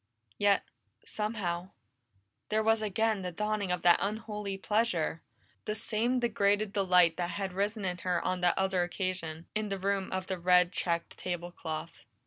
Yet somehow there was again the dawning of that unholy pleasure the same degraded delight that had risen in her on that other occasion, in the room of the red checked table cloth.